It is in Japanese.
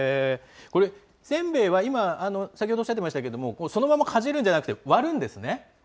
これ、せんべいは今、先ほどおっしゃってましたけれども、そのままかじるんじゃなくて、割るんですね。